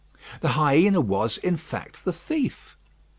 The hyena was, in fact, the thief.